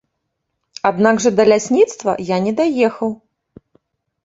Аднак жа да лясніцтва я не даехаў.